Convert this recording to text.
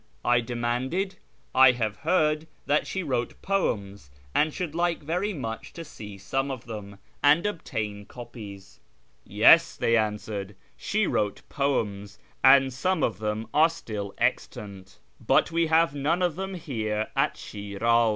" I demanded ;" I have heard that she wrote poems, and should like very much to see some of them, and obtain copies." " Yes," they answered, " she wrote poems, and some of them are still extant ; but we have none of them here in Shi'raz.